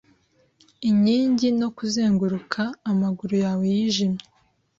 inkingi no kuzenguruka amaguru yawe yijimye